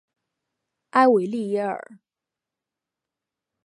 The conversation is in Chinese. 埃维利耶尔。